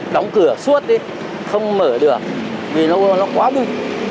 đóng cửa suốt đi không mở được vì lâu rồi nó quá buồn